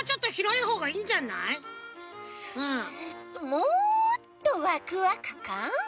もっとワクワクかん？